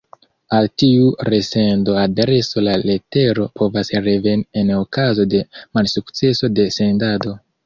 Al tiu resendo-adreso la letero povas reveni en okazo de malsukceso de sendado.